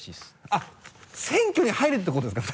あっ選挙に入るってことですか？